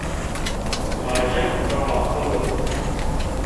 Lajek biaqil o.